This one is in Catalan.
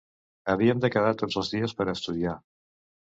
Havíem de quedar tots els dies per a estudiar.